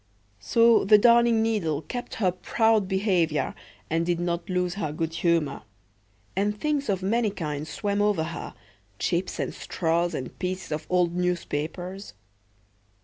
So the Darning needle kept her proud behavior, and did not lose her good humor. And things of many kinds swam over her, chips and straws and pieces of old newspapers.